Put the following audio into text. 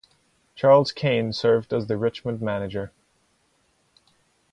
Charles Kain served as the Richmond manager.